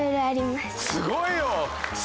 すごいよ！